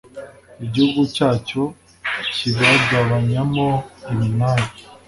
igihugu cyayo ikibagabanyamo iminani